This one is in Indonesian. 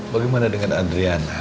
bagaimana dengan adriana